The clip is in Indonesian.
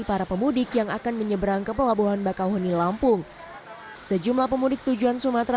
para pemudik yang akan menyeberang ke pelabuhan bakauheni lampung sejumlah pemudik tujuan sumatera